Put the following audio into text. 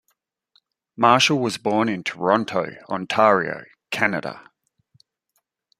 Marshall was born in Toronto, Ontario, Canada.